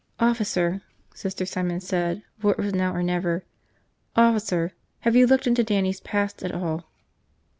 "Officer," Sister Simon said, for it was now or never. "Officer, have you looked into Dannie's past at all?"